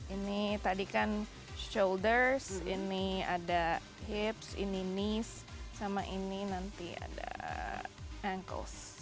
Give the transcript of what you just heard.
ini tadi kan shoulders ini ada hips ini nis sama ini nanti ada ankles